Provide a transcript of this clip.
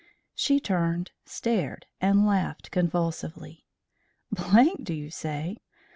She turned, stared, and laughed convulsively. "Blank, do you say?